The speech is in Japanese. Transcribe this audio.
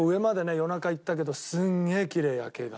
夜中行ったけどすんげえキレイ夜景が。